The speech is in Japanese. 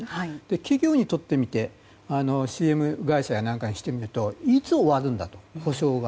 企業にとってみてＣＭ会社やなんかにしてみるといつ終わるんだと、補償が。